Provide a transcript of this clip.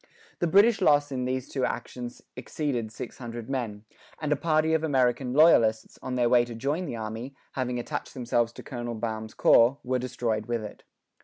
The British loss in these two actions exceeded six hundred men: and a party of American loyalists, on their way to join the army, having attached themselves to Colonel Baum's corps, were destroyed with it.